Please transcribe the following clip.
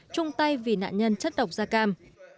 chung tay vì nạn nhân chất độc da cam